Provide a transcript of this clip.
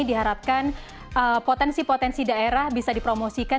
diharapkan potensi potensi daerah bisa dipromosikan